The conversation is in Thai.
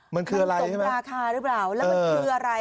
มันตกราคาหรือเปล่าและมันคืออะไร